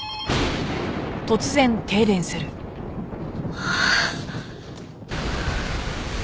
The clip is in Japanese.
ああ。